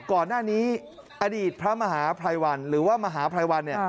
ก่อนหน้านี้อดีตพระมหาพัยวันหรือว่ามาหาพัยวัน